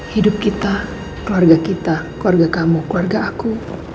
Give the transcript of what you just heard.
hidup kita keluarga kita keluarga kamu keluarga aku